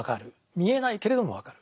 見えないけれども分かる。